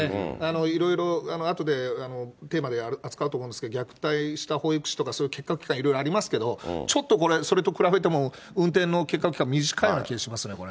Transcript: いろいろ、あとでテーマで扱うと思うんですけど、虐待した保育士とか、そういう欠格期間、いろいろありますけど、ちょっとこれ、それと比べても運転の欠格期間、短いような気がしますね、これね。